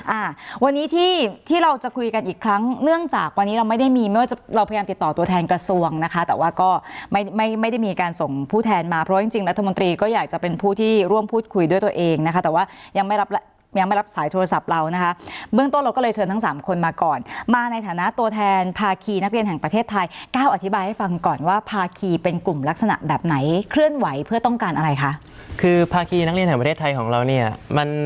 อ่าวันนี้ที่ที่เราจะคุยกันอีกครั้งเนื่องจากวันนี้เราไม่ได้มีไม่ว่าจะเราพยายามติดต่อตัวแทนกระทรวงนะคะแต่ว่าก็ไม่ไม่ได้มีการส่งผู้แทนมาเพราะจริงรัฐมนตรีก็อยากจะเป็นผู้ที่ร่วมพูดคุยด้วยตัวเองนะคะแต่ว่ายังไม่รับยังไม่รับสายโทรศัพท์เรานะคะเบื้องต้นเราก็เลยเชิญทั้ง๓คนมาก่อนมาในฐานะตัวแทนภา